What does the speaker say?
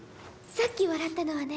さっき笑ったのはね